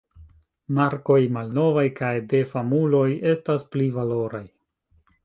Markoj malnovaj kaj de famuloj estas pli valoraj.